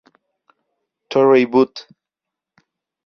Torrey Bot.